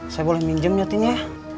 saya boleh minjem nyetin ya